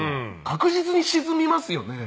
確実に沈みますよね。